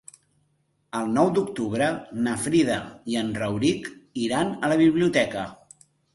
El nou d'octubre na Frida i en Rauric iran a la biblioteca.